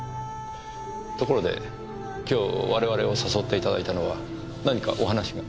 ところで今日我々を誘って頂いたのは何かお話が？